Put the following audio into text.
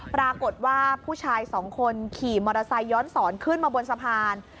ปรากฏว่าผู้ชายสองคนขี่มอเตอร์ไซค์ย้อนสอนขึ้นมาบนสะพาน